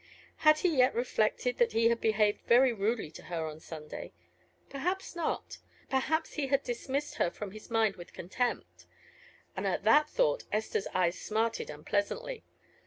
Had he yet reflected that he had behaved very rudely to her on Sunday? Perhaps not. Perhaps he had dismissed her from his mind with contempt. And at that thought Esther's eyes smarted unpleasantly.